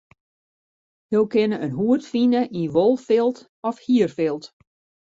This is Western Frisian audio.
Jo kinne in hoed fine yn wolfilt of hierfilt.